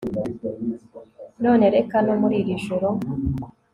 none reka no muri iri joro